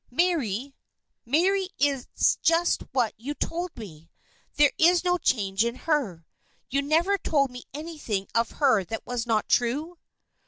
"Mary Mary is just what you told me? There is no change in her? You never told me anything of her that was not true?"